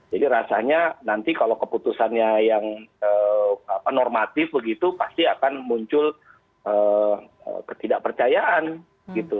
rasanya nanti kalau keputusannya yang normatif begitu pasti akan muncul ketidakpercayaan gitu